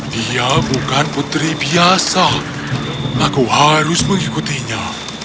dia bukan putri biasa aku harus mengikutinya